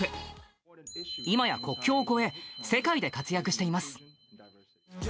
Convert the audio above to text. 今や国境を越え、世界で活躍しています。